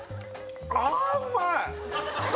あうまい！